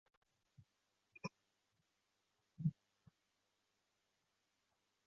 体成鼠灰色有极细之暗色点散布。